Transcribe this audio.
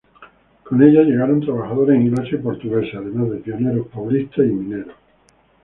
Con ella llegaron trabajadores ingleses y portugueses, además de pioneros paulistas y mineros.